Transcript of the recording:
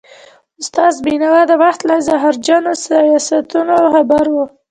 استاد بينوا د وخت له زهرجنو سیاستونو خبر و.